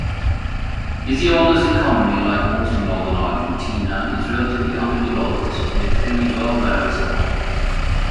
Misiones' economy, like most in northern Argentina, is relatively underdeveloped yet fairly well-diversified.